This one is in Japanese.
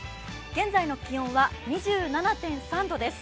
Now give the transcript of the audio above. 現在の気温は２７．３度です。